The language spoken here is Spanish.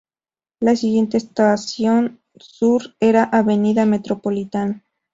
La siguiente estación sur era Avenida Metropolitan.